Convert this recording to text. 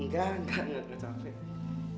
enggak enggak enggak capek